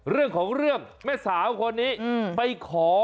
เรื่องของเรื่องแม่สาวคนนี้ไปขอ